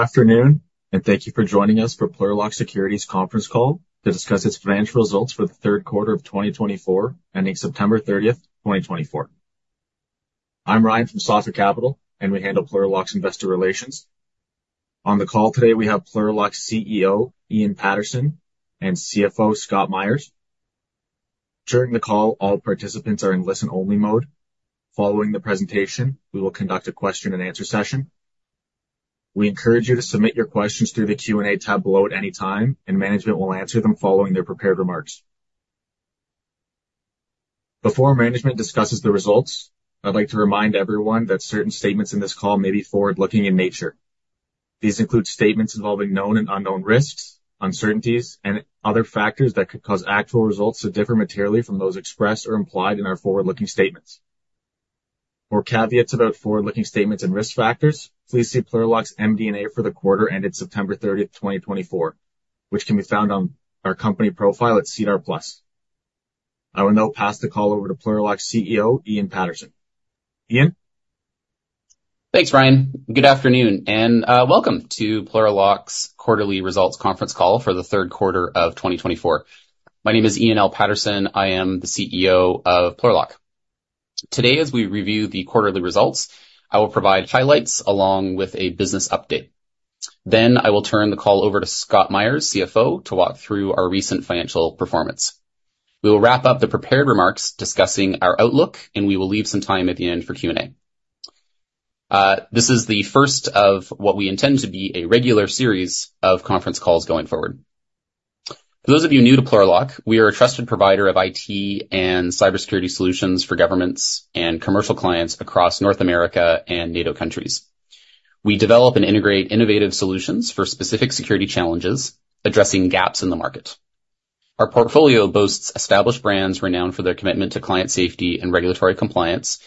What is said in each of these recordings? Good afternoon, and thank you for joining us for Plurilock Security's conference call to discuss its financial results for the third quarter of 2024 ending September 30, 2024. I'm Ryan from Sophic Capital, and we handle Plurilock's investor relations. On the call today, we have Plurilock's CEO, Ian Paterson, and CFO, Scott Meyers. During the call, all participants are in listen-only mode. Following the presentation, we will conduct a question-and-answer session. We encourage you to submit your questions through the Q&A tab below at any time, and management will answer them following their prepared remarks. Before management discusses the results, I'd like to remind everyone that certain statements in this call may be forward-looking in nature. These include statements involving known and unknown risks, uncertainties, and other factors that could cause actual results to differ materially from those expressed or implied in our forward-looking statements. For caveats about forward-looking statements and risk factors, please see Plurilock's MD&A for the quarter ended September 30, 2024, which can be found on our company profile at SEDAR+. I will now pass the call over to Plurilock's CEO, Ian Paterson. Ian? Thanks, Ryan. Good afternoon, and welcome to Plurilock's quarterly results conference call for the third quarter of 2024. My name is Ian L. Paterson. I am the CEO of Plurilock. Today, as we review the quarterly results, I will provide highlights along with a business update. Then I will turn the call over to Scott Meyers, CFO, to walk through our recent financial performance. We will wrap up the prepared remarks discussing our outlook, and we will leave some time at the end for Q&A. This is the first of what we intend to be a regular series of conference calls going forward. For those of you new to Plurilock, we are a trusted provider of IT and cybersecurity solutions for governments and commercial clients across North America and NATO countries. We develop and integrate innovative solutions for specific security challenges, addressing gaps in the market. Our portfolio boasts established brands renowned for their commitment to client safety and regulatory compliance,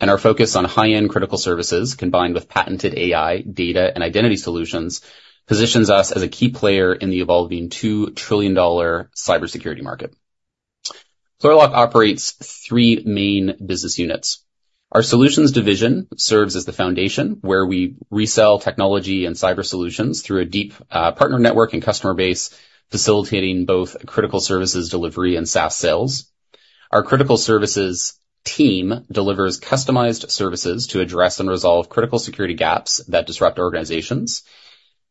and our focus on high-end Critical Services combined with patented AI, data, and identity solutions positions us as a key player in the evolving $2 trillion cybersecurity market. Plurilock operates three main business units. Our Solutions Division serves as the foundation, where we resell technology and cyber solutions through a deep partner network and customer base, facilitating both Critical Services delivery and SaaS sales. Our Critical Services team delivers customized services to address and resolve critical security gaps that disrupt organizations,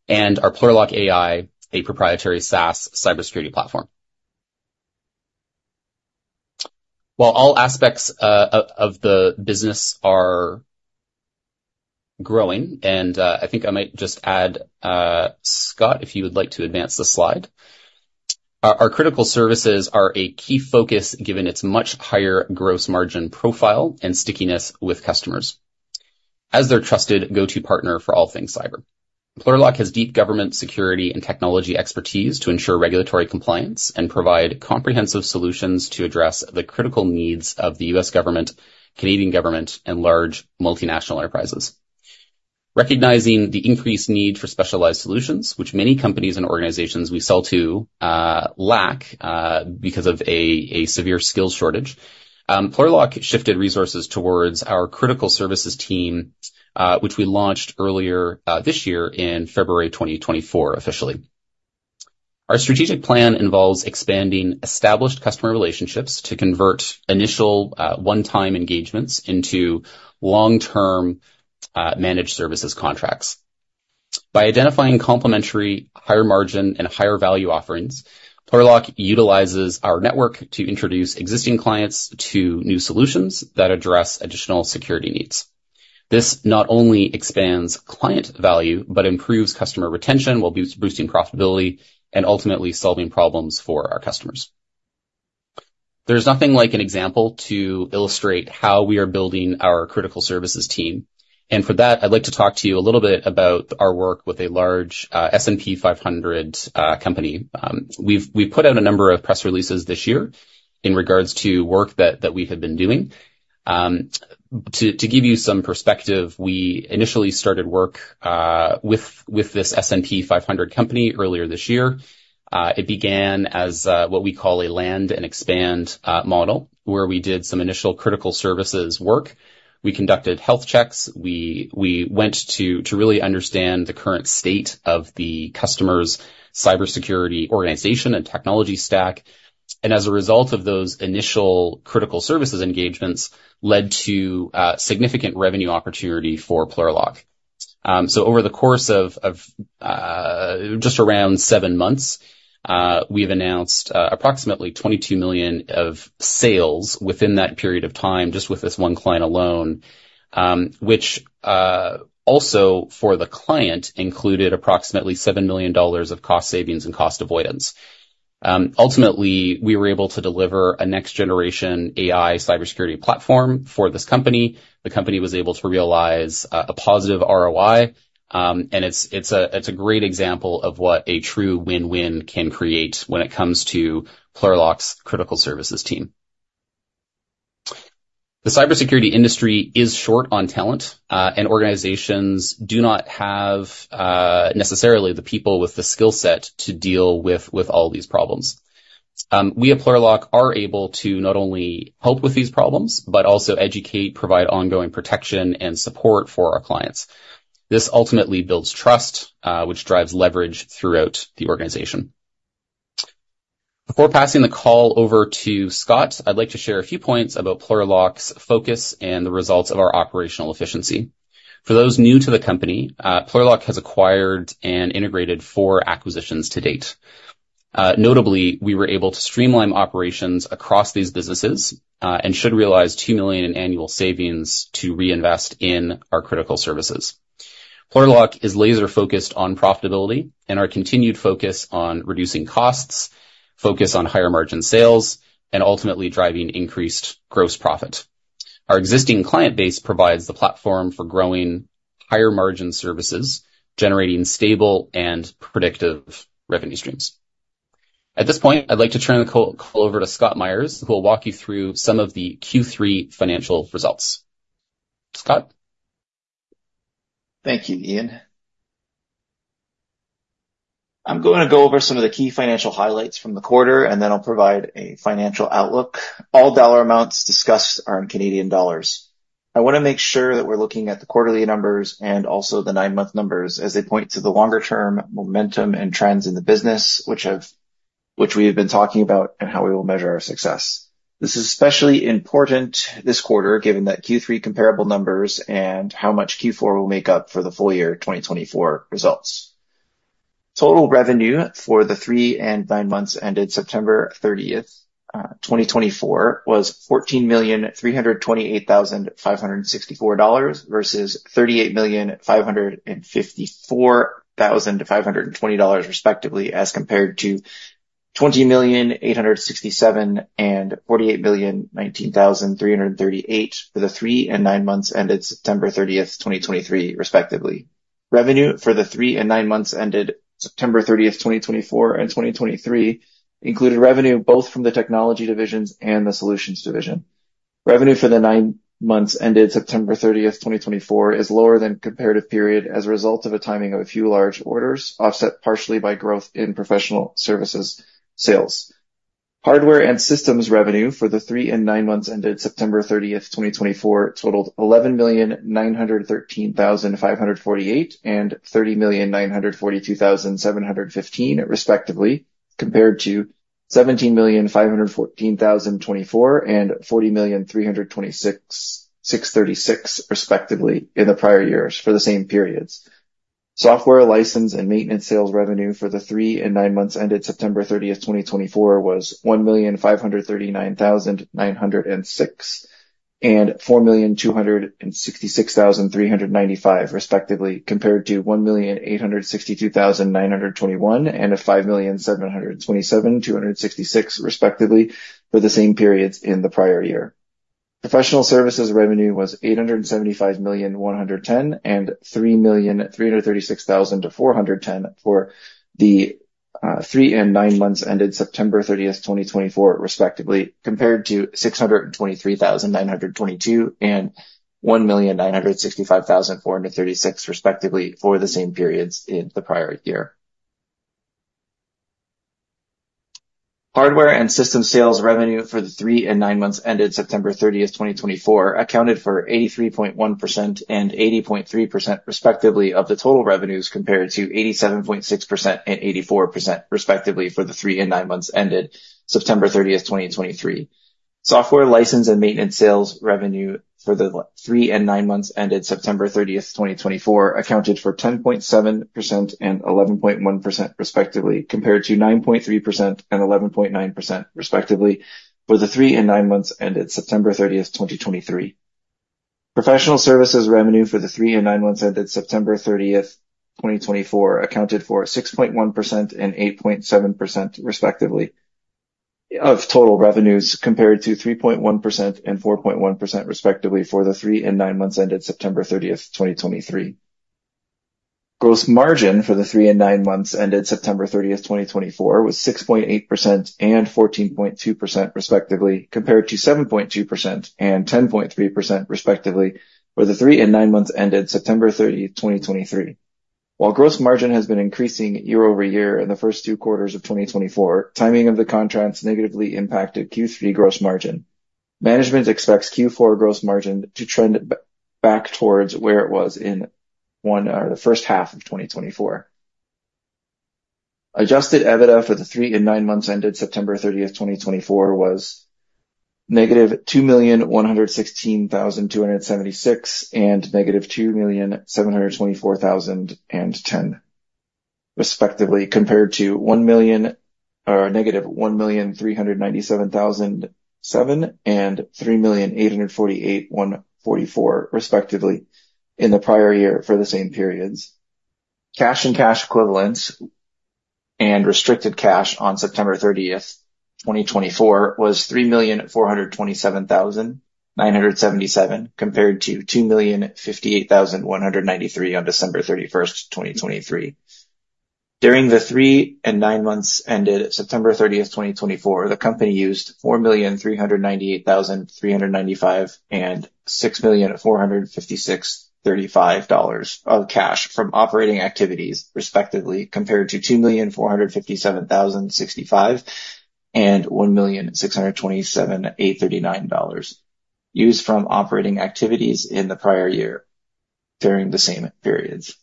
and our Plurilock AI, a proprietary SaaS cybersecurity platform. While all aspects of the business are growing, and I think I might just add, Scott, if you would like to advance the slide, our Critical Services are a key focus given its much higher gross margin profile and stickiness with customers as their trusted go-to partner for all things cyber. Plurilock has deep government security and technology expertise to ensure regulatory compliance and provide comprehensive solutions to address the critical needs of the U.S. government, Canadian government, and large multinational enterprises. Recognizing the increased need for specialized solutions, which many companies and organizations we sell to lack because of a severe skills shortage, Plurilock shifted resources towards our Critical Services team, which we launched earlier this year in February 2024 officially. Our strategic plan involves expanding established customer relationships to convert initial one-time engagements into long-term managed services contracts. By identifying complementary higher-margin and higher-value offerings, Plurilock utilizes our network to introduce existing clients to new solutions that address additional security needs. This not only expands client value, but improves customer retention while boosting profitability and ultimately solving problems for our customers. There's nothing like an example to illustrate how we are building our Critical Services team, and for that, I'd like to talk to you a little bit about our work with a large S&P 500 company. We've put out a number of press releases this year in regards to work that we have been doing. To give you some perspective, we initially started work with this S&P 500 company earlier this year. It began as what we call a land-and-expand model, where we did some initial Critical Services work. We conducted health checks. We went to really understand the current state of the customer's cybersecurity organization and technology stack, and as a result of those initial Critical Services engagements, led to significant revenue opportunity for Plurilock, so over the course of just around seven months, we've announced approximately $22 million of sales within that period of time just with this one client alone, which also for the client included approximately $7 million of cost savings and cost avoidance. Ultimately, we were able to deliver a next-generation AI cybersecurity platform for this company. The company was able to realize a positive ROI, and it's a great example of what a true win-win can create when it comes to Plurilock's Critical Services team. The cybersecurity industry is short on talent, and organizations do not have necessarily the people with the skill set to deal with all these problems. We at Plurilock are able to not only help with these problems, but also educate, provide ongoing protection, and support for our clients. This ultimately builds trust, which drives leverage throughout the organization. Before passing the call over to Scott, I'd like to share a few points about Plurilock's focus and the results of our operational efficiency. For those new to the company, Plurilock has acquired and integrated four acquisitions to date. Notably, we were able to streamline operations across these businesses and should realize 2 million in annual savings to reinvest in our Critical Services. Plurilock is laser-focused on profitability and our continued focus on reducing costs, focus on higher-margin sales, and ultimately driving increased gross profit. Our existing client base provides the platform for growing higher-margin services, generating stable and predictive revenue streams. At this point, I'd like to turn the call over to Scott Meyers, who will walk you through some of the Q3 financial results. Scott? Thank you, Ian. I'm going to go over some of the key financial highlights from the quarter, and then I'll provide a financial outlook. All dollar amounts discussed are in Canadian dollars. I want to make sure that we're looking at the quarterly numbers and also the nine-month numbers as they point to the longer-term momentum and trends in the business, which we have been talking about and how we will measure our success. This is especially important this quarter, given that Q3 comparable numbers and how much Q4 will make up for the full year 2024 results. Total revenue for the three and nine months ended September 30, 2024, was 14,328,564 dollars versus 38,554,520 dollars respectively, as compared to 20,867,000 and 48,019,338 for the three and nine months ended September 30, 2023, respectively. Revenue for the three and nine months ended September 30, 2024, and 2023 included revenue both from the technology divisions and the Solutions Division. Revenue for the nine months ended September 30, 2024, is lower than comparative period as a result of a timing of a few large orders, offset partially by growth in professional services sales. Hardware and systems revenue for the three and nine months ended September 30, 2024, totaled $11,913,548 and $30,942,715 respectively, compared to $17,514,024 and $40,326,636 respectively in the prior years for the same periods. Software license and maintenance sales revenue for the three and nine months ended September 30, 2024, was $1,539,906 and $4,266,395 respectively, compared to $1,862,921 and $5,727,266 respectively for the same periods in the prior year. Professional services revenue was 875,110 and 3,336,410 for the three and nine months ended September 30, 2024, respectively, compared to 623,922 and 1,965,436 respectively for the same periods in the prior year. Hardware and systems sales revenue for the three and nine months ended September 30, 2024, accounted for 83.1% and 80.3% respectively of the total revenues compared to 87.6% and 84% respectively for the three and nine months ended September 30, 2023. Software license and maintenance sales revenue for the three and nine months ended September 30, 2024, accounted for 10.7% and 11.1% respectively, compared to 9.3% and 11.9% respectively for the three and nine months ended September 30, 2023. Professional services revenue for the three and nine months ended September 30, 2024, accounted for 6.1% and 8.7% respectively of total revenues compared to 3.1% and 4.1% respectively for the three and nine months ended September 30, 2023. Gross margin for the three and nine months ended September 30, 2024, was 6.8% and 14.2% respectively, compared to 7.2% and 10.3% respectively for the three and nine months ended September 30, 2023. While gross margin has been increasing year over year in the first two quarters of 2024, timing of the contracts negatively impacted Q3 gross margin. Management expects Q4 gross margin to trend back towards where it was in the first half of 2024. Adjusted EBITDA for the three and nine months ended September 30, 2024, was negative $2,116,276 and negative $2,724,010 respectively, compared to negative $1,397,007 and $3,848,144 respectively in the prior year for the same periods. Cash and cash equivalents and restricted cash on September 30, 2024, was $3,427,977, compared to $2,058,193 on December 31, 2023. During the three and nine months ended September 30, 2024, the company used 4,398,395 and 6,456,035 dollars of cash from operating activities respectively, compared to 2,457,065 and 1,627,839 dollars used from operating activities in the prior year during the same periods.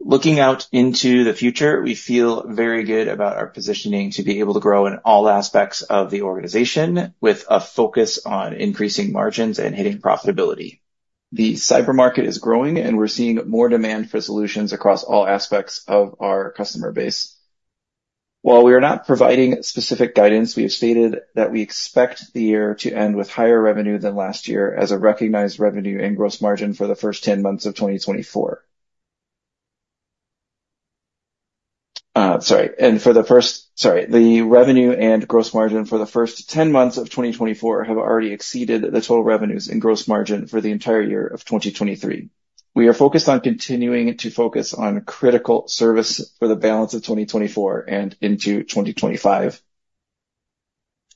Looking out into the future, we feel very good about our positioning to be able to grow in all aspects of the organization with a focus on increasing margins and hitting profitability. The cyber market is growing, and we're seeing more demand for solutions across all aspects of our customer base. While we are not providing specific guidance, we have stated that we expect the year to end with higher revenue than last year as a recognized revenue and gross margin for the first 10 months of 2024. Sorry. The revenue and gross margin for the first 10 months of 2024 have already exceeded the total revenues and gross margin for the entire year of 2023. We are focused on continuing to focus on Critical Services for the balance of 2024 and into 2025.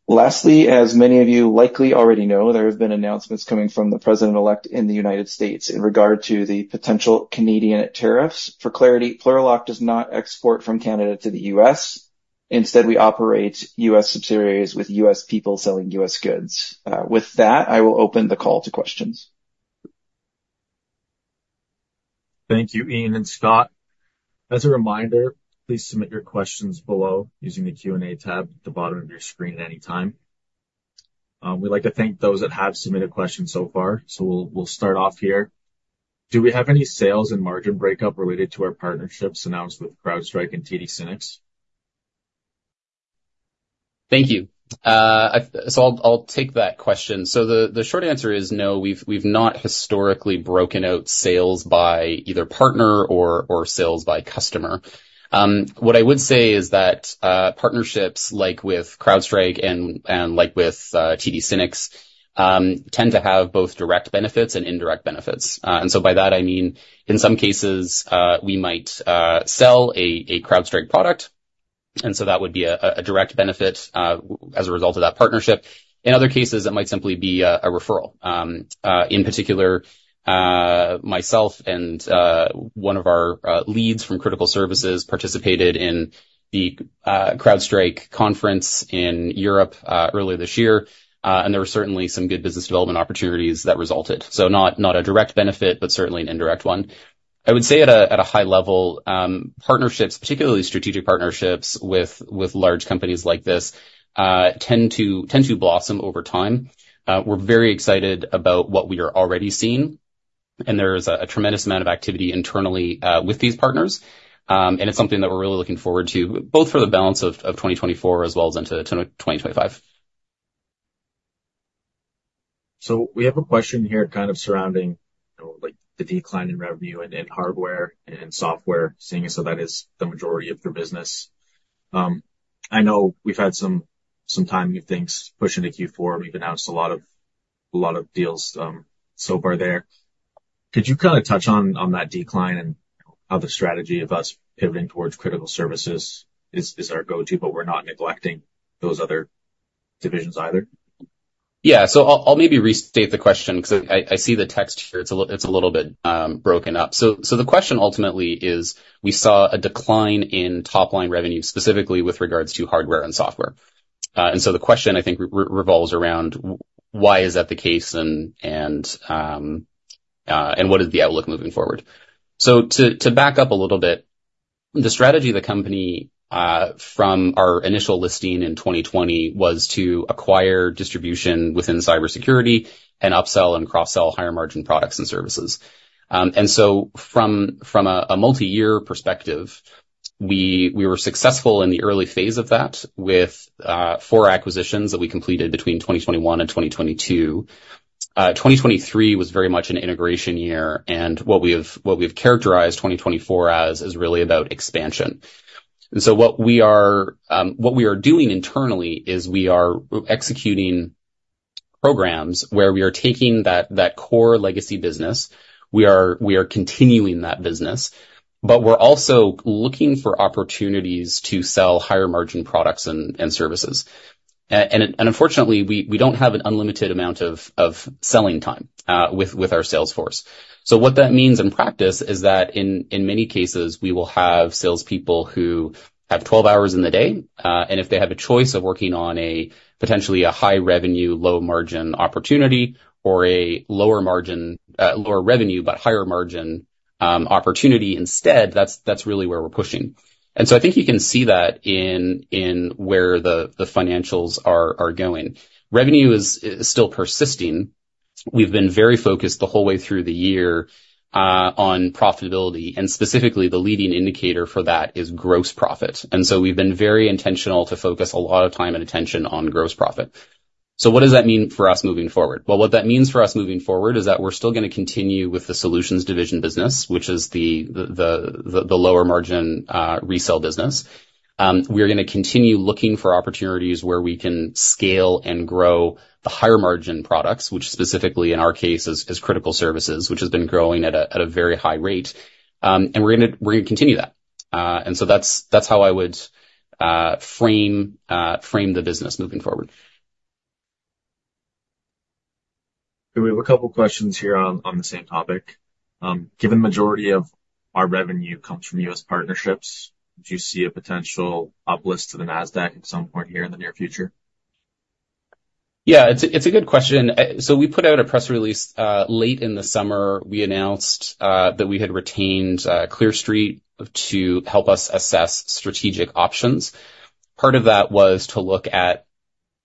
Lastly, as many of you likely already know, there have been announcements coming from the President-elect in the United States in regard to the potential Canadian tariffs. For clarity, Plurilock does not export from Canada to the U.S. Instead, we operate U.S. subsidiaries with U.S. people selling U.S. goods. With that, I will open the call to questions. Thank you, Ian and Scott. As a reminder, please submit your questions below using the Q&A tab at the bottom of your screen at any time. We'd like to thank those that have submitted questions so far. So we'll start off here. Do we have any sales and margin breakup related to our partnerships announced with CrowdStrike and TD SYNNEX? Thank you. So I'll take that question. So the short answer is no. We've not historically broken out sales by either partner or sales by customer. What I would say is that partnerships like with CrowdStrike and like with TD SYNNEX tend to have both direct benefits and indirect benefits. And so by that, I mean, in some cases, we might sell a CrowdStrike product. And so that would be a direct benefit as a result of that partnership. In other cases, it might simply be a referral. In particular, myself and one of our leads from Critical Services participated in the CrowdStrike conference in Europe earlier this year. And there were certainly some good business development opportunities that resulted. So not a direct benefit, but certainly an indirect one. I would say at a high level, partnerships, particularly strategic partnerships with large companies like this, tend to blossom over time. We're very excited about what we are already seeing. And there is a tremendous amount of activity internally with these partners. And it's something that we're really looking forward to, both for the balance of 2024 as well as into 2025. We have a question here kind of surrounding the decline in revenue in hardware and software seeing as that is the majority of their business. I know we've had some timing of things pushing to Q4. We've announced a lot of deals so far there. Could you kind of touch on that decline and how the strategy of us pivoting towards Critical Services is our go-to? But we're not neglecting those other divisions either. Yeah. So I'll maybe restate the question because I see the text here. It's a little bit broken up. So the question ultimately is we saw a decline in top-line revenue, specifically with regards to hardware and software. And so the question, I think, revolves around why is that the case and what is the outlook moving forward? So to back up a little bit, the strategy of the company from our initial listing in 2020 was to acquire distribution within cybersecurity and upsell and cross-sell higher-margin products and services. And so from a multi-year perspective, we were successful in the early phase of that with four acquisitions that we completed between 2021 and 2022. 2023 was very much an integration year. And what we have characterized 2024 as is really about expansion. And so what we are doing internally is we are executing programs where we are taking that core legacy business. We are continuing that business. But we're also looking for opportunities to sell higher-margin products and services. And unfortunately, we don't have an unlimited amount of selling time with our sales force. So what that means in practice is that in many cases, we will have salespeople who have 12 hours in the day. And if they have a choice of working on potentially a high-revenue, low-margin opportunity or a lower revenue but higher-margin opportunity instead, that's really where we're pushing. And so I think you can see that in where the financials are going. Revenue is still persisting. We've been very focused the whole way through the year on profitability. And specifically, the leading indicator for that is gross profit. We've been very intentional to focus a lot of time and attention on gross profit. So what does that mean for us moving forward? Well, what that means for us moving forward is that we're still going to continue with the Solutions Division business, which is the lower-margin resale business. We're going to continue looking for opportunities where we can scale and grow the higher-margin products, which specifically in our case is Critical Services, which has been growing at a very high rate. And we're going to continue that. And so that's how I would frame the business moving forward. We have a couple of questions here on the same topic. Given the majority of our revenue comes from U.S. partnerships, do you see a potential uplift to the Nasdaq at some point here in the near future? Yeah. It's a good question, so we put out a press release late in the summer. We announced that we had retained Clear Street to help us assess strategic options. Part of that was to look at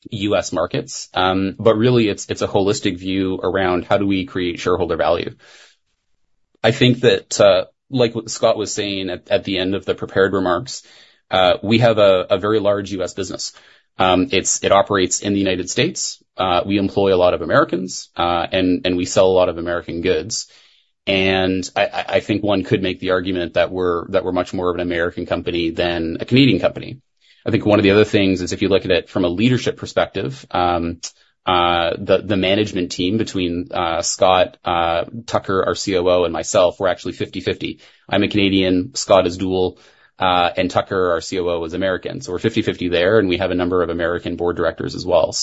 U.S. markets. But really, it's a holistic view around how do we create shareholder value. I think that, like what Scott was saying at the end of the prepared remarks, we have a very large U.S. business. It operates in the United States. We employ a lot of Americans, and we sell a lot of American goods, and I think one could make the argument that we're much more of an American company than a Canadian company. I think one of the other things is if you look at it from a leadership perspective, the management team between Scott, Tucker, our COO, and myself, we're actually 50/50. I'm a Canadian. Scott is dual. Tucker, our COO, is American. We're 50/50 there. We have a number of American board directors as well.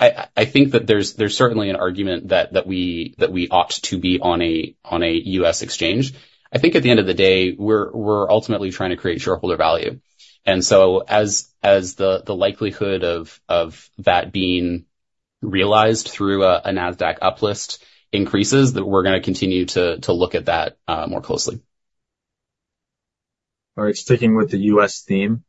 I think that there's certainly an argument that we ought to be on a U.S. exchange. I think at the end of the day, we're ultimately trying to create shareholder value. As the likelihood of that being realized through a Nasdaq uplift increases, we're going to continue to look at that more closely. All right. Sticking with the U.S. theme,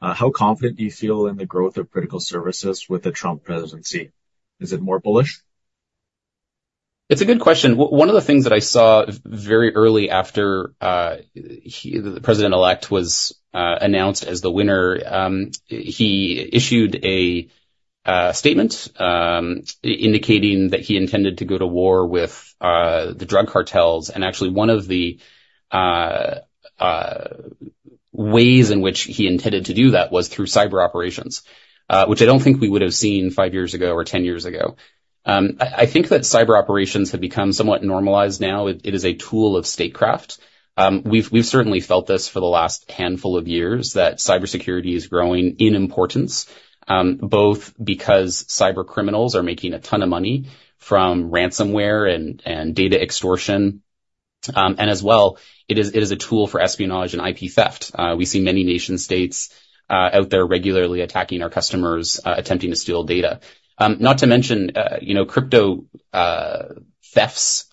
how confident do you feel in the growth of Critical Services with the Trump presidency? Is it more bullish? It's a good question. One of the things that I saw very early after the President-elect was announced as the winner, he issued a statement indicating that he intended to go to war with the drug cartels, and actually, one of the ways in which he intended to do that was through cyber operations, which I don't think we would have seen five years ago or ten years ago. I think that cyber operations have become somewhat normalized now. It is a tool of statecraft. We've certainly felt this for the last handful of years that cybersecurity is growing in importance, both because cybercriminals are making a ton of money from ransomware and data extortion, and as well, it is a tool for espionage and IP theft. We see many nation-states out there regularly attacking our customers, attempting to steal data. Not to mention, crypto thefts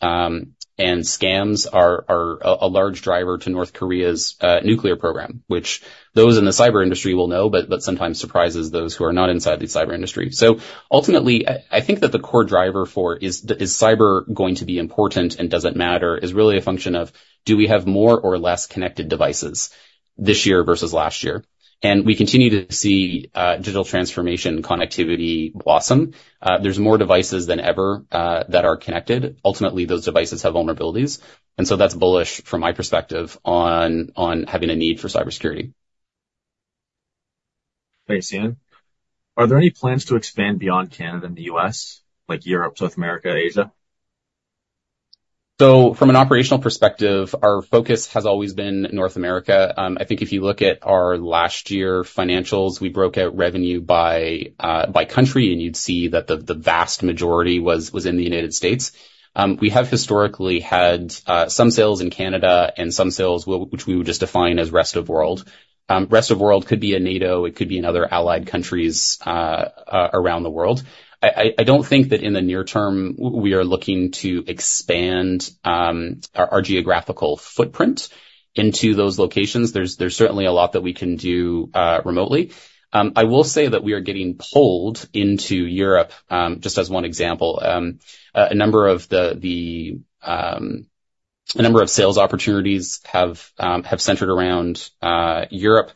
and scams are a large driver to North Korea's nuclear program, which those in the cyber industry will know but sometimes surprises those who are not inside the cyber industry. So ultimately, I think that the core driver for is cyber going to be important, and doesn't matter is really a function of do we have more or less connected devices this year versus last year, and we continue to see digital transformation connectivity blossom. There's more devices than ever that are connected. Ultimately, those devices have vulnerabilities, and so that's bullish from my perspective on having a need for cybersecurity. Thanks, Ian. Are there any plans to expand beyond Canada and the U.S., like Europe, South America, Asia? So from an operational perspective, our focus has always been North America. I think if you look at our last year financials, we broke out revenue by country, and you'd see that the vast majority was in the United States. We have historically had some sales in Canada and some sales which we would just define as rest of world. Rest of world could be a NATO. It could be in other allied countries around the world. I don't think that in the near term we are looking to expand our geographical footprint into those locations. There's certainly a lot that we can do remotely. I will say that we are getting pulled into Europe, just as one example. A number of sales opportunities have centered around Europe,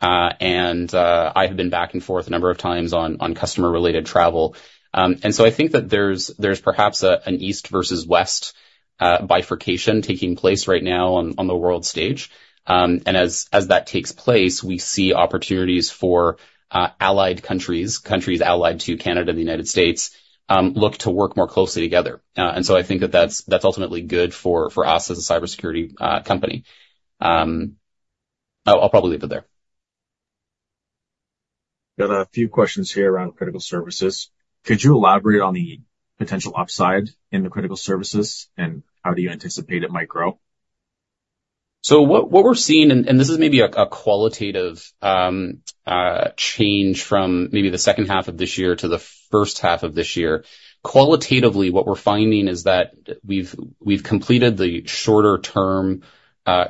and I have been back and forth a number of times on customer-related travel. And so I think that there's perhaps an east versus west bifurcation taking place right now on the world stage. And as that takes place, we see opportunities for allied countries, countries allied to Canada and the United States, look to work more closely together. And so I think that that's ultimately good for us as a cybersecurity company. I'll probably leave it there. Got a few questions here around Critical Services. Could you elaborate on the potential upside in the Critical Services and how do you anticipate it might grow? So what we're seeing, and this is maybe a qualitative change from maybe the second half of this year to the first half of this year, qualitatively, what we're finding is that we've completed the shorter-term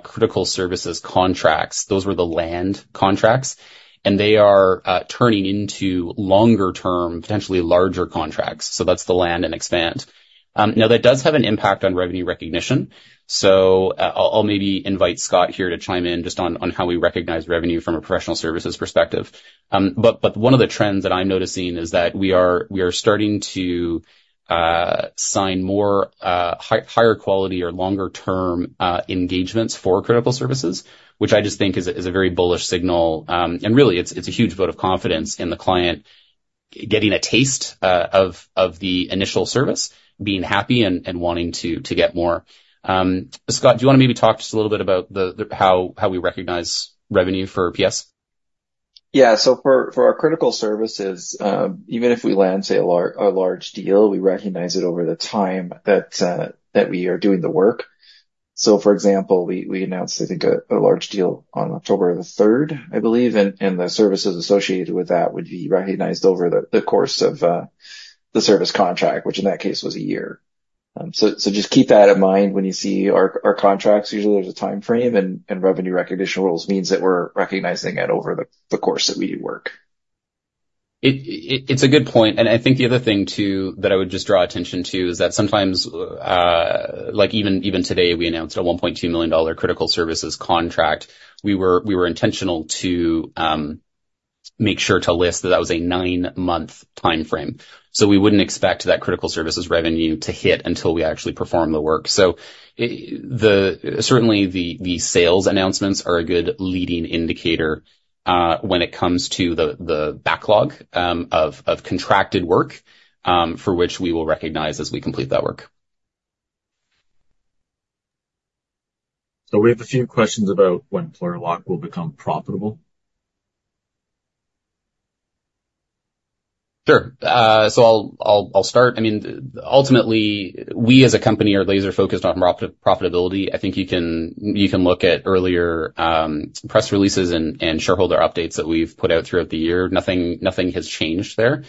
critical services contracts. Those were the land contracts. And they are turning into longer-term, potentially larger contracts. So that's the land and expand. Now, that does have an impact on revenue recognition. So I'll maybe invite Scott here to chime in just on how we recognize revenue from a professional services perspective. But one of the trends that I'm noticing is that we are starting to sign more higher-quality or longer-term engagements for critical services, which I just think is a very bullish signal. And really, it's a huge vote of confidence in the client getting a taste of the initial service, being happy and wanting to get more. Scott, do you want to maybe talk just a little bit about how we recognize revenue for PS? Yeah. So for our Critical Services, even if we land, say, a large deal, we recognize it over the time that we are doing the work. So for example, we announced, I think, a large deal on October the 3rd, I believe. And the services associated with that would be recognized over the course of the service contract, which in that case was a year. So just keep that in mind when you see our contracts. Usually, there's a time frame. And revenue recognition rules means that we're recognizing it over the course that we do work. It's a good point. And I think the other thing too that I would just draw attention to is that sometimes, like even today, we announced a 1.2 million dollar Critical Services contract. We were intentional to make sure to list that was a nine-month time frame. So we wouldn't expect that Critical Services revenue to hit until we actually perform the work. So certainly, the sales announcements are a good leading indicator when it comes to the backlog of contracted work for which we will recognize as we complete that work. We have a few questions about when Plurilock will become profitable. Sure. So I'll start. I mean, ultimately, we as a company are laser-focused on profitability. I think you can look at earlier press releases and shareholder updates that we've put out throughout the year. Nothing has changed there.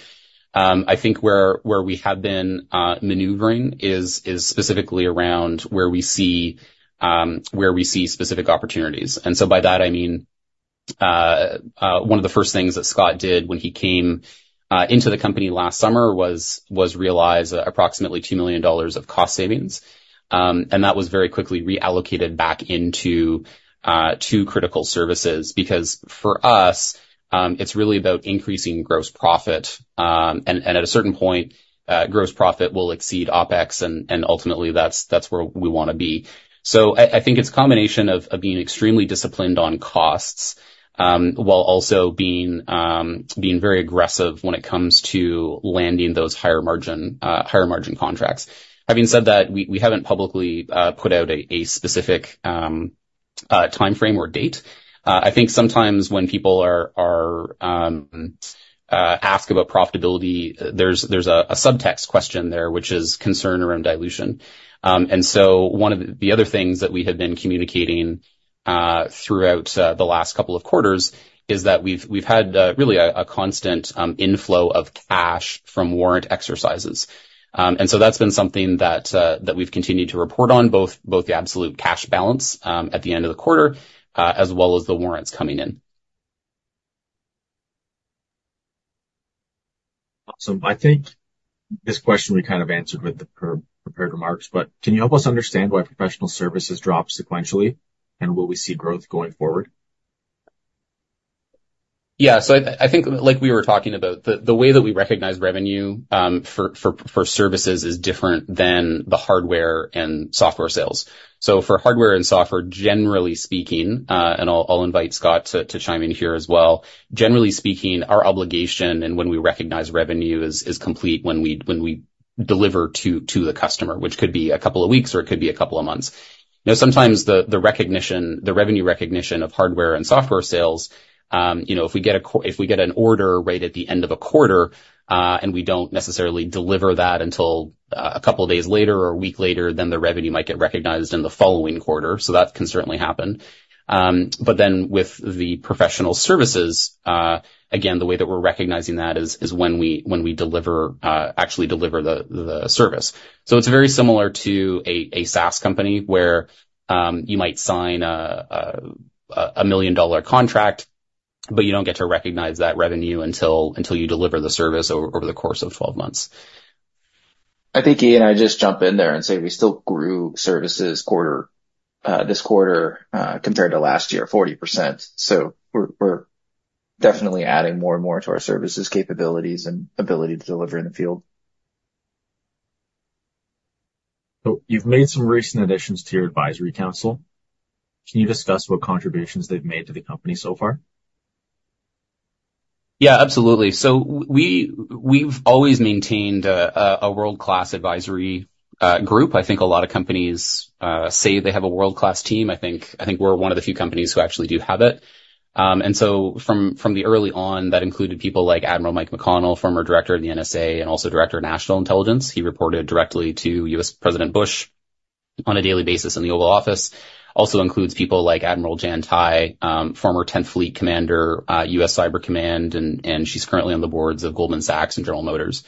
I think where we have been maneuvering is specifically around where we see specific opportunities. And so by that, I mean one of the first things that Scott did when he came into the company last summer was realize approximately 2 million dollars of cost savings. And that was very quickly reallocated back into to Critical Services because for us, it's really about increasing gross profit. And at a certain point, gross profit will exceed OPEX. And ultimately, that's where we want to be. So I think it's a combination of being extremely disciplined on costs while also being very aggressive when it comes to landing those higher-margin contracts. Having said that, we haven't publicly put out a specific time frame or date. I think sometimes when people ask about profitability, there's a subtext question there, which is concern around dilution. And so one of the other things that we have been communicating throughout the last couple of quarters is that we've had really a constant inflow of cash from warrant exercises. And so that's been something that we've continued to report on, both the absolute cash balance at the end of the quarter as well as the warrants coming in. Awesome. I think this question we kind of answered with the prepared remarks. But can you help us understand why professional services drop sequentially and will we see growth going forward? Yeah. So I think, like we were talking about, the way that we recognize revenue for services is different than the hardware and software sales. So for hardware and software, generally speaking, and I'll invite Scott to chime in here as well, generally speaking, our obligation and when we recognize revenue is complete when we deliver to the customer, which could be a couple of weeks or it could be a couple of months. Now, sometimes the revenue recognition of hardware and software sales, if we get an order right at the end of a quarter and we don't necessarily deliver that until a couple of days later or a week later, then the revenue might get recognized in the following quarter. So that can certainly happen. But then with the professional services, again, the way that we're recognizing that is when we actually deliver the service. It's very similar to a SaaS company where you might sign a $1 million contract, but you don't get to recognize that revenue until you deliver the service over the course of 12 months. I think, Ian, I just jump in there and say we still grew services this quarter compared to last year, 40%. So we're definitely adding more and more to our services capabilities and ability to deliver in the field. So you've made some recent additions to your advisory council. Can you discuss what contributions they've made to the company so far? Yeah, absolutely. So we've always maintained a world-class advisory group. I think a lot of companies say they have a world-class team. I think we're one of the few companies who actually do have it. And so from the early on, that included people like Admiral Mike McConnell, former director of the NSA, and also director of national intelligence. He reported directly to U.S. President Bush on a daily basis in the Oval Office. Also includes people like Admiral Jan Tighe, former 10th Fleet Commander, U.S. Cyber Command. And she's currently on the boards of Goldman Sachs and General Motors.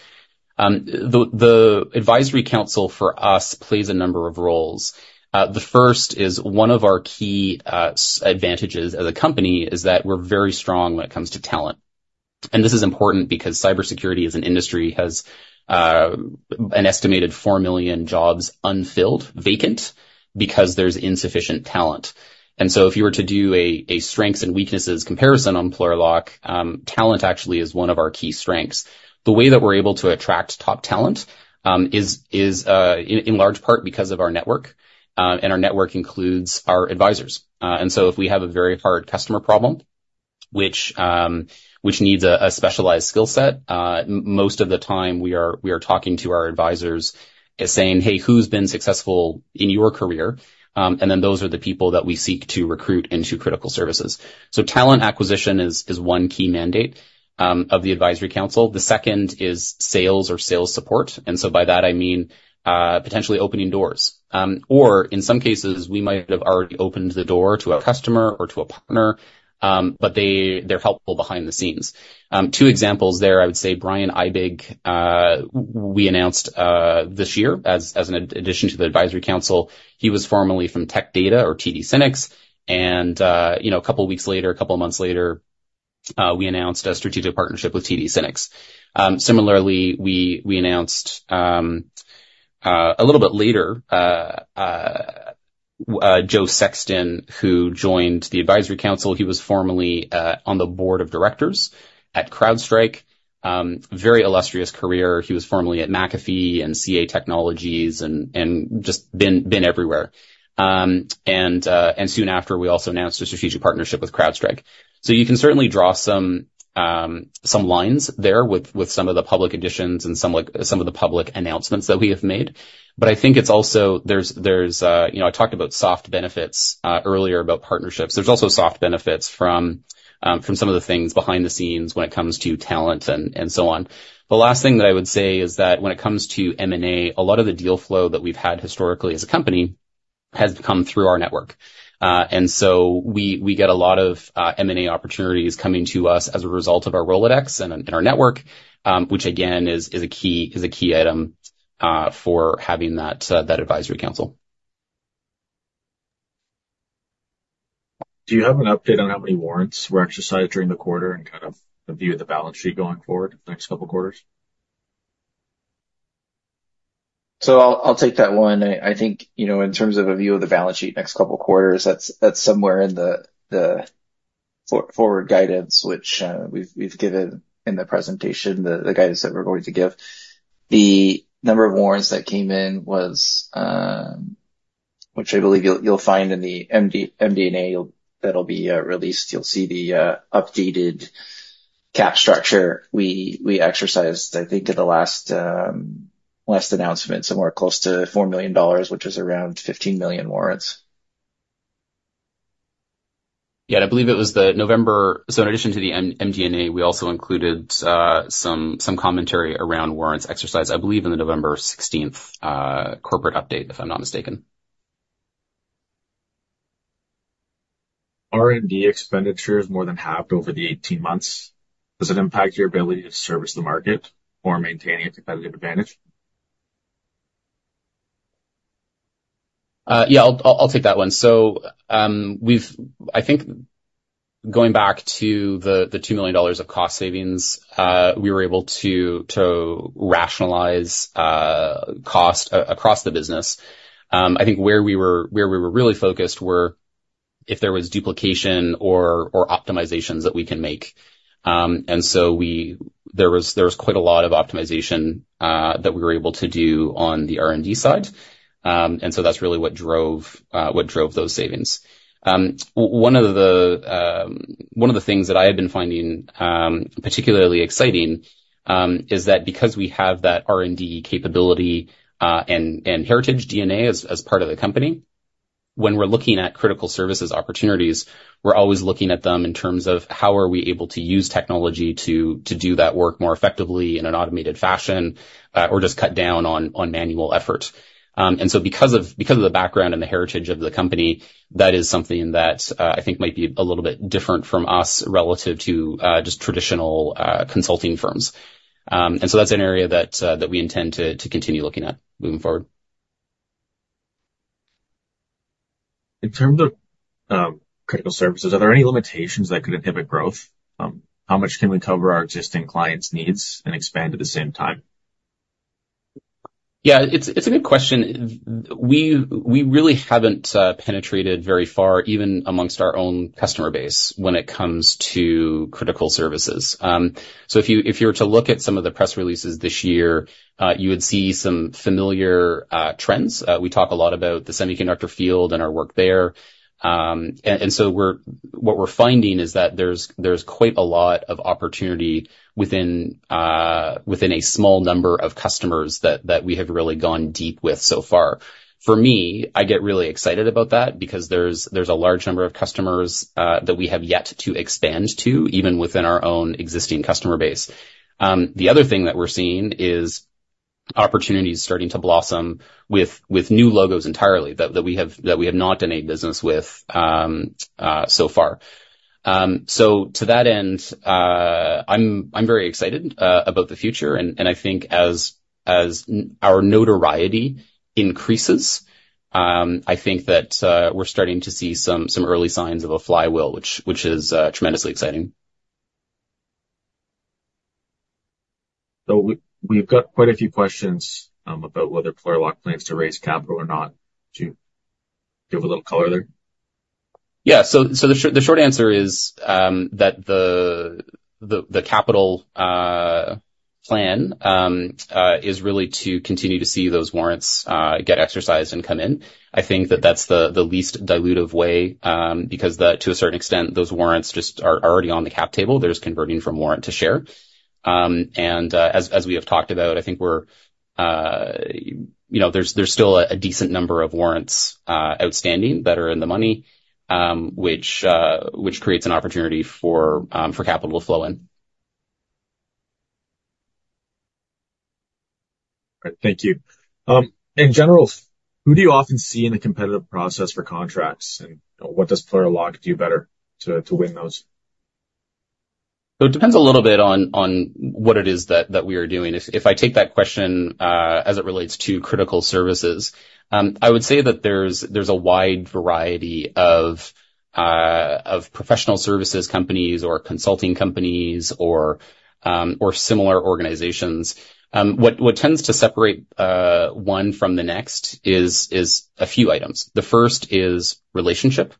The advisory council for us plays a number of roles. The first is one of our key advantages as a company is that we're very strong when it comes to talent. This is important because cybersecurity as an industry has an estimated 4 million jobs unfilled, vacant, because there's insufficient talent. So if you were to do a strengths and weaknesses comparison on Plurilock, talent actually is one of our key strengths. The way that we're able to attract top talent is in large part because of our network. Our network includes our advisors. So if we have a very hard customer problem which needs a specialized skill set, most of the time we are talking to our advisors saying, "Hey, who's been successful in your career?" Then those are the people that we seek to recruit into Critical Services. Talent acquisition is one key mandate of the advisory council. The second is sales or sales support. By that, I mean potentially opening doors. Or in some cases, we might have already opened the door to a customer or to a partner, but they're helpful behind the scenes. Two examples there, I would say Brian Aebig, we announced this year as an addition to the advisory council. He was formerly from Tech Data or TD SYNNEX. And a couple of weeks later, a couple of months later, we announced a strategic partnership with TD SYNNEX. Similarly, we announced a little bit later Joe Sexton, who joined the advisory council. He was formerly on the board of directors at CrowdStrike. Very illustrious career. He was formerly at McAfee and CA Technologies and just been everywhere. And soon after, we also announced a strategic partnership with CrowdStrike. So you can certainly draw some lines there with some of the public additions and some of the public announcements that we have made. But I think it's also, I talked about soft benefits earlier about partnerships. There's also soft benefits from some of the things behind the scenes when it comes to talent and so on. The last thing that I would say is that when it comes to M&A, a lot of the deal flow that we've had historically as a company has come through our network, and so we get a lot of M&A opportunities coming to us as a result of our Rolodex and our network, which again is a key item for having that advisory council. Do you have an update on how many warrants were exercised during the quarter and kind of a view of the balance sheet going forward in the next couple of quarters? So I'll take that one. I think in terms of a view of the balance sheet next couple of quarters, that's somewhere in the forward guidance, which we've given in the presentation, the guidance that we're going to give. The number of warrants that came in was, which I believe you'll find in the MD&A that'll be released, you'll see the updated cap table we exercised, I think, in the last announcement, somewhere close to $4 million, which is around 15 million warrants. Yeah. And I believe it was the November, so in addition to the MD&A, we also included some commentary around warrants exercise, I believe, on the November 16th corporate update, if I'm not mistaken. R&D expenditures more than halved over the 18 months. Does it impact your ability to service the market or maintain a competitive advantage? Yeah, I'll take that one. So I think going back to the 2 million dollars of cost savings, we were able to rationalize cost across the business. I think where we were really focused were if there was duplication or optimizations that we can make. And so there was quite a lot of optimization that we were able to do on the R&D side. And so that's really what drove those savings. One of the things that I had been finding particularly exciting is that because we have that R&D capability and heritage DNA as part of the company, when we're looking at critical services opportunities, we're always looking at them in terms of how are we able to use technology to do that work more effectively in an automated fashion or just cut down on manual effort. Because of the background and the heritage of the company, that is something that I think might be a little bit different from us relative to just traditional consulting firms. That's an area that we intend to continue looking at moving forward. In terms of Critical Services, are there any limitations that could inhibit growth? How much can we cover our existing clients' needs and expand at the same time? Yeah, it's a good question. We really haven't penetrated very far, even among our own customer base, when it comes to Critical Services, so if you were to look at some of the press releases this year, you would see some familiar trends. We talk a lot about the semiconductor field and our work there, and so what we're finding is that there's quite a lot of opportunity within a small number of customers that we have really gone deep with so far. For me, I get really excited about that because there's a large number of customers that we have yet to expand to, even within our own existing customer base. The other thing that we're seeing is opportunities starting to blossom with new logos entirely that we have not done any business with so far, so to that end, I'm very excited about the future. I think as our notoriety increases, I think that we're starting to see some early signs of a flywheel, which is tremendously exciting. So we've got quite a few questions about whether Plurilock plans to raise capital or not. Could you give a little color there? Yeah, so the short answer is that the capital plan is really to continue to see those warrants get exercised and come in. I think that that's the least dilutive way because to a certain extent, those warrants just are already on the cap table. They're just converting from warrant to share, and as we have talked about, I think there's still a decent number of warrants outstanding that are in the money, which creates an opportunity for capital to flow in. All right. Thank you. In general, who do you often see in the competitive process for contracts? And what does Plurilock do better to win those? So it depends a little bit on what it is that we are doing. If I take that question as it relates to Critical Services, I would say that there's a wide variety of professional services companies or consulting companies or similar organizations. What tends to separate one from the next is a few items. The first is relationship.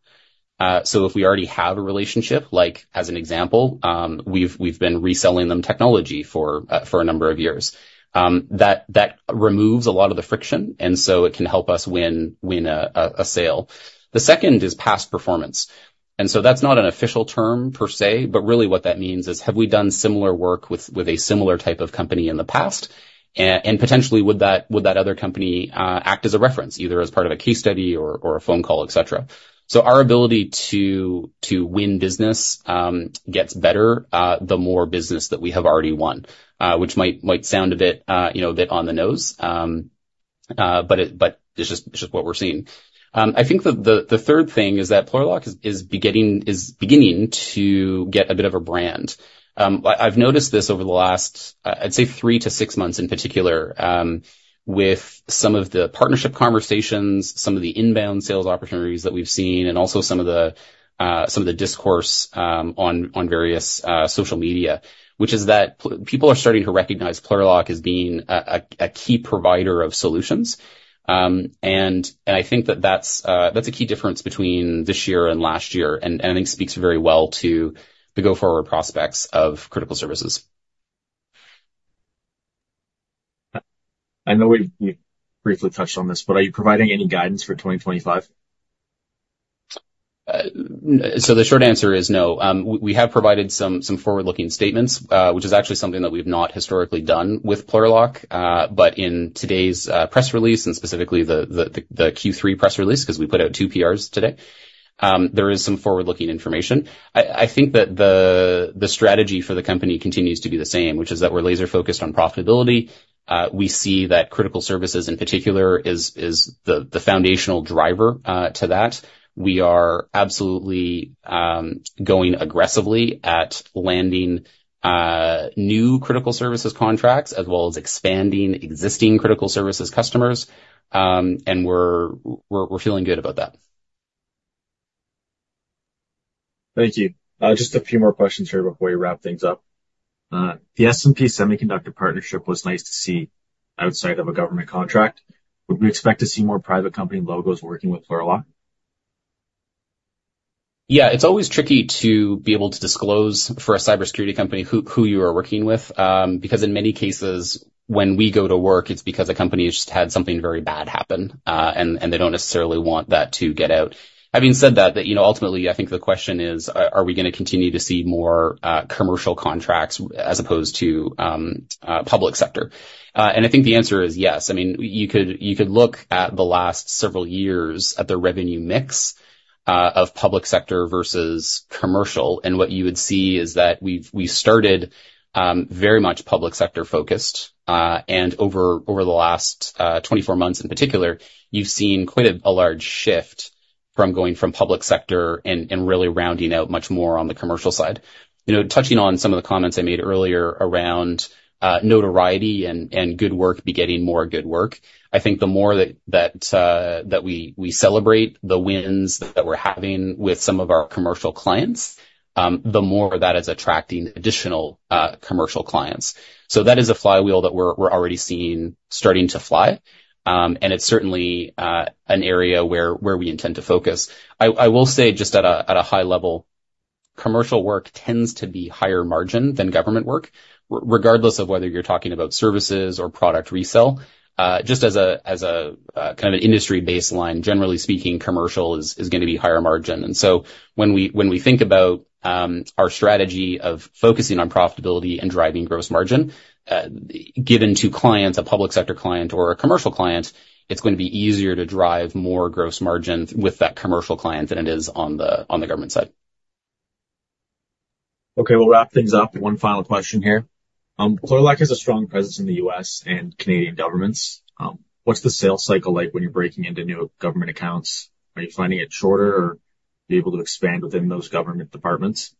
So if we already have a relationship, like as an example, we've been reselling them technology for a number of years. That removes a lot of the friction, and so it can help us win a sale. The second is past performance. And so that's not an official term per se, but really what that means is, have we done similar work with a similar type of company in the past? Potentially, would that other company act as a reference, either as part of a case study or a phone call, etc.? Our ability to win business gets better the more business that we have already won, which might sound a bit on the nose, but it's just what we're seeing. I think the third thing is that Plurilock is beginning to get a bit of a brand. I've noticed this over the last, I'd say, three to six months in particular with some of the partnership conversations, some of the inbound sales opportunities that we've seen, and also some of the discourse on various social media, which is that people are starting to recognize Plurilock as being a key provider of solutions. I think that that's a key difference between this year and last year. I think it speaks very well to the go-forward prospects of Critical Services. I know we briefly touched on this, but are you providing any guidance for 2025? So the short answer is no. We have provided some forward-looking statements, which is actually something that we've not historically done with Plurilock. But in today's press release, and specifically the Q3 press release, because we put out two PRs today, there is some forward-looking information. I think that the strategy for the company continues to be the same, which is that we're laser-focused on profitability. We see that Critical Services in particular is the foundational driver to that. We are absolutely going aggressively at landing new Critical Services contracts as well as expanding existing Critical Services customers. And we're feeling good about that. Thank you. Just a few more questions here before we wrap things up. The S&P semiconductor partnership was nice to see outside of a government contract. Would we expect to see more private company logos working with Plurilock? Yeah. It's always tricky to be able to disclose for a cybersecurity company who you are working with because in many cases, when we go to work, it's because a company has just had something very bad happen, and they don't necessarily want that to get out. Having said that, ultimately, I think the question is, are we going to continue to see more commercial contracts as opposed to public sector? And I think the answer is yes. I mean, you could look at the last several years at the revenue mix of public sector versus commercial. And what you would see is that we started very much public sector-focused. And over the last 24 months in particular, you've seen quite a large shift from going from public sector and really rounding out much more on the commercial side. Touching on some of the comments I made earlier around notoriety and good work begetting more good work, I think the more that we celebrate the wins that we're having with some of our commercial clients, the more that is attracting additional commercial clients. So that is a flywheel that we're already seeing starting to fly. And it's certainly an area where we intend to focus. I will say just at a high level, commercial work tends to be higher margin than government work, regardless of whether you're talking about services or product resale. Just as a kind of an industry baseline, generally speaking, commercial is going to be higher margin. When we think about our strategy of focusing on profitability and driving gross margin, given to clients, a public sector client or a commercial client, it's going to be easier to drive more gross margin with that commercial client than it is on the government side. Okay. We'll wrap things up. One final question here. Plurilock has a strong presence in the U.S. and Canadian governments. What's the sales cycle like when you're breaking into new government accounts? Are you finding it shorter or be able to expand within those government departments? Yeah,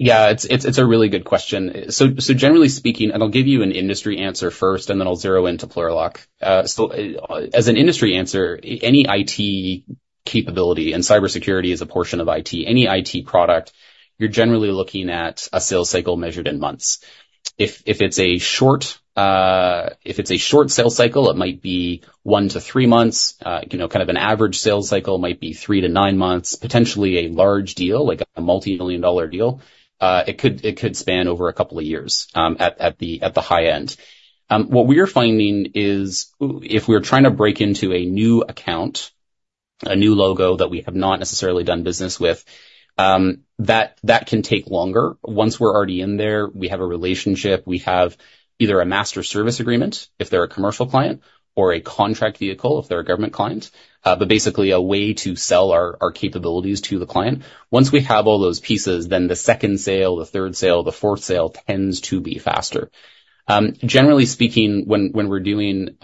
it's a really good question. So generally speaking, and I'll give you an industry answer first, and then I'll zero into Plurilock. As an industry answer, any IT capability and cybersecurity is a portion of IT. Any IT product, you're generally looking at a sales cycle measured in months. If it's a short sales cycle, it might be one to three months. Kind of an average sales cycle might be three to nine months, potentially a large deal, like a multi-million dollar deal. It could span over a couple of years at the high end. What we are finding is if we're trying to break into a new account, a new logo that we have not necessarily done business with, that can take longer. Once we're already in there, we have a relationship. We have either a master service agreement, if they're a commercial client, or a contract vehicle, if they're a government client, but basically a way to sell our capabilities to the client. Once we have all those pieces, then the second sale, the third sale, the fourth sale tends to be faster. Generally speaking, when we're doing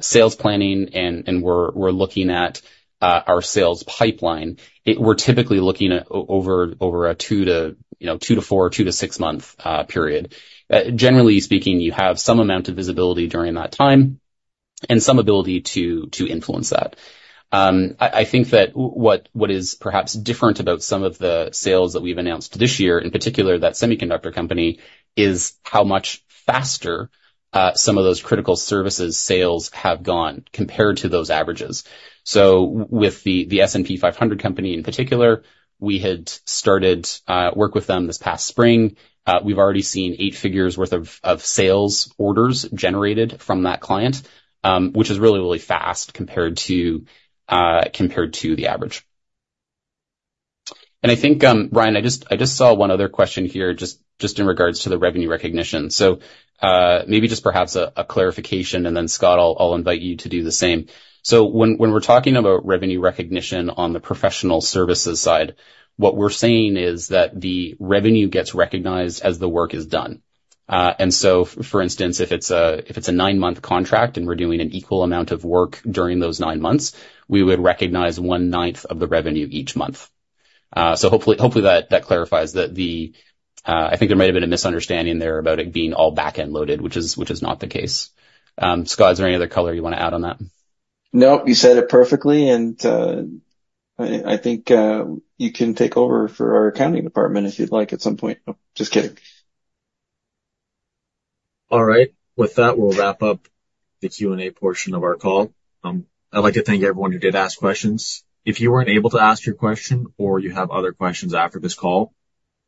sales planning and we're looking at our sales pipeline, we're typically looking at over a two-to-four, two-to-six-month period. Generally speaking, you have some amount of visibility during that time and some ability to influence that. I think that what is perhaps different about some of the sales that we've announced this year, in particular that semiconductor company, is how much faster some of those critical services sales have gone compared to those averages. With the S&P 500 company in particular, we had started work with them this past spring. We've already seen eight figures worth of sales orders generated from that client, which is really, really fast compared to the average. And I think, Brian, I just saw one other question here just in regards to the revenue recognition. So maybe just perhaps a clarification, and then Scott, I'll invite you to do the same. So when we're talking about revenue recognition on the professional services side, what we're saying is that the revenue gets recognized as the work is done. And so, for instance, if it's a nine-month contract and we're doing an equal amount of work during those nine months, we would recognize one ninth of the revenue each month. So hopefully, that clarifies that I think there might have been a misunderstanding there about it being all back-end loaded, which is not the case. Scott, is there any other color you want to add on that? No, you said it perfectly. And I think you can take over for our accounting department if you'd like at some point. Just kidding. All right. With that, we'll wrap up the Q&A portion of our call. I'd like to thank everyone who did ask questions. If you weren't able to ask your question or you have other questions after this call,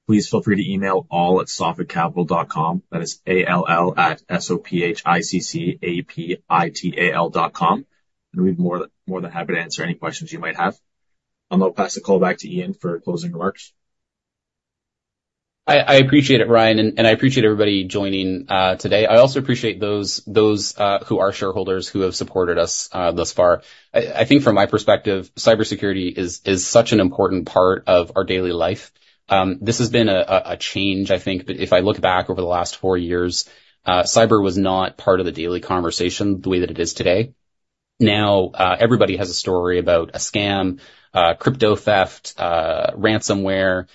please feel free to email all@sophiccapital.com. That is A-L-L at S-O-P-H-I-C-C-A-P-I-T-A-L dot com. And we'd more than happy to answer any questions you might have. I'll now pass the call back to Ian for closing remarks. I appreciate it, Brian, and I appreciate everybody joining today. I also appreciate those who are shareholders who have supported us thus far. I think from my perspective, cybersecurity is such an important part of our daily life. This has been a change, I think. But if I look back over the last four years, cyber was not part of the daily conversation the way that it is today. Now, everybody has a story about a scam, crypto theft, ransomware,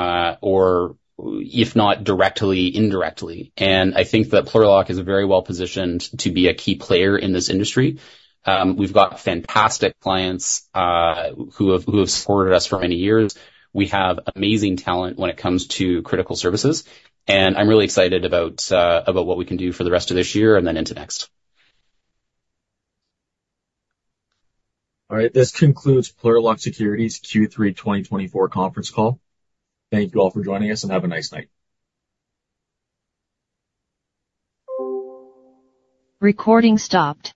or if not directly, indirectly, and I think that Plurilock is very well positioned to be a key player in this industry. We've got fantastic clients who have supported us for many years. We have amazing talent when it comes to Critical Services, and I'm really excited about what we can do for the rest of this year and then into next. All right. This concludes Plurilock Security's Q3 2024 conference call. Thank you all for joining us and have a nice night. Recording stopped.